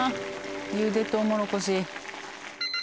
茹でトウモロコシ。